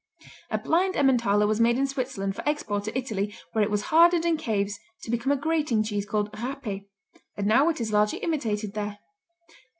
A blind Emmentaler was made in Switzerland for export to Italy where it was hardened in caves to become a grating cheese called Raper, and now it is largely imitated there.